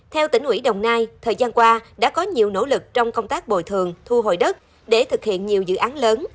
theo tỉnh ủy đồng nai thời gian qua đã có nhiều nỗ lực trong công tác bồi thường thu hồi đất để thực hiện nhiều dự án lớn